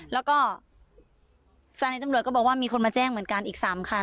แล้วก็สถานีตำรวจก็บอกว่ามีคนมาแจ้งเหมือนกันอีก๓คัน